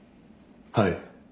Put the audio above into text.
はい。